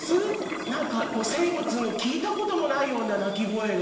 何か生物の聞いたこともないような鳴き声が。